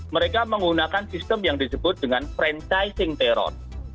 mereka menggunakan sistem yang disebut dengan franchising terror